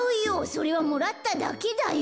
それはもらっただけだよ。